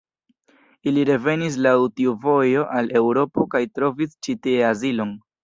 Ili revenis laŭ tiu vojo al Eŭropo kaj trovis ĉi tie azilon.